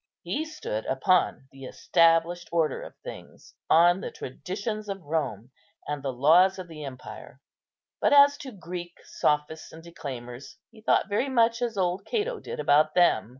He stood upon the established order of things, on the traditions of Rome, and the laws of the empire; but as to Greek sophists and declaimers, he thought very much as old Cato did about them.